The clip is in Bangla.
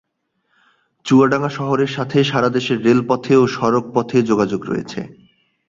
চুয়াডাঙ্গা শহরের সাথে সারা দেশের রেলপথে ও সড়ক পথে যোগাযোগ রয়েছে।